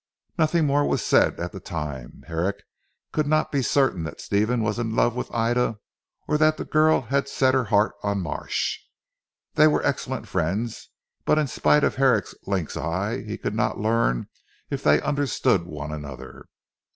Nothing more was said at the time. Herrick could not be certain that Stephen was in love with Ida or that the girl had set her heart on Marsh. They were excellent friends, but in spite of Herrick's lynx eye he could not learn if they understood one another.